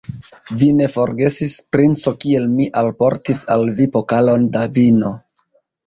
Vi ne forgesis, princo, kiel mi alportis al vi pokalon da vino.